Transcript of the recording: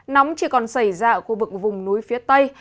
nóng chỉ còn xảy ra ở khu vực vùng núi phía tây